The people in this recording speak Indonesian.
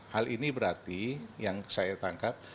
hal ini berarti yang saya tangkap